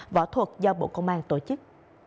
võ thuật do bộ công an tổ chức